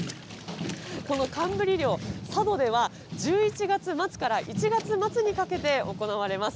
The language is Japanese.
この寒ブリ漁、佐渡では１１月末から１月末にかけて行われます。